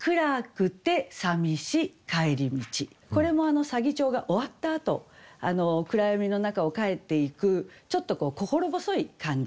これも左義長が終わったあと暗闇の中を帰っていくちょっと心細い感じ。